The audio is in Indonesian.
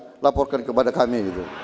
jangan lupa laporkan kepada kami